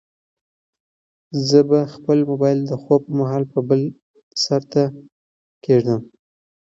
زه به خپل موبایل د خوب پر مهال په بل سرته کېږدم.